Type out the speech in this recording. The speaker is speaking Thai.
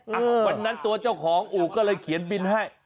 อ่ะวันนั้นตัวเจ้าของอู่ก็เลยเขียนบินให้